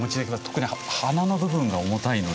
特に花の部分が重たいので。